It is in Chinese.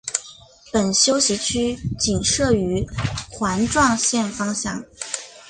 本休息区仅设于环状线方向。